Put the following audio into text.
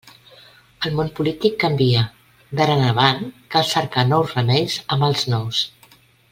El món polític canvia; d'ara en avant cal cercar nous remeis a mals nous.